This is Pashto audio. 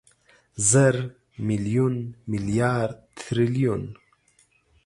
زر، ميليون، ميليارد، تریلیون